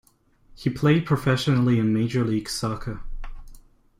He played professionally in Major League Soccer.